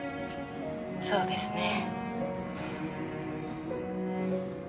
「そうですね」